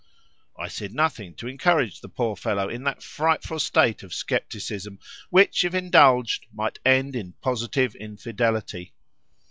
I said nothing to encourage the poor fellow in that frightful state of scepticism which, if indulged, might end in positive infidelity.